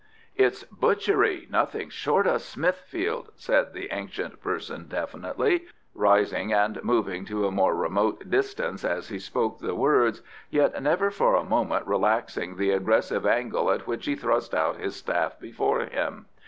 '" "It's butchery, nothing short of Smithfield," said the ancient person definitely, rising and moving to a more remote distance as he spoke the words, yet never for a moment relaxing the aggressive angle at which he thrust out his staff before him.